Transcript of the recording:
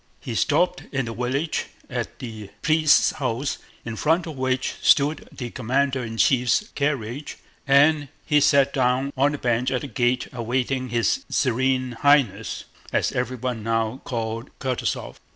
He stopped in the village at the priest's house in front of which stood the commander in chief's carriage, and he sat down on the bench at the gate awaiting his Serene Highness, as everyone now called Kutúzov.